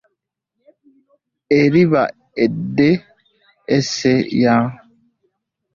Kiriba edda , messe ya mu mutual.